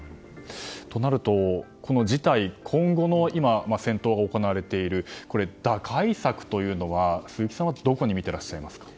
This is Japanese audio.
となると、この事態今後も戦闘が行われていますが打開策というのは鈴木さんはどこに見ていらっしゃいますか。